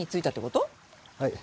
はい。